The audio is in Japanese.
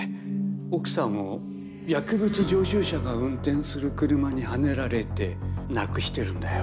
奥さんを薬物常習者が運転する車にはねられて亡くしてるんだよ。